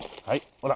ほら。